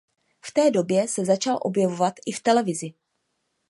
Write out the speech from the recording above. V té době se začal objevovat i v televizi.